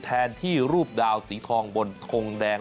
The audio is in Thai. แทนที่รูปดาวสีทองบนทงแดง